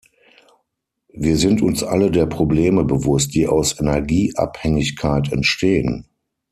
Wir sind uns alle der Probleme bewusst, die aus Energieabhängigkeit entstehen.